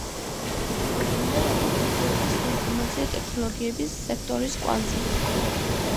ცნობილია, როგორც ინდოეთის საინფორმაციო ტექნოლოგიების სექტორის კვანძი.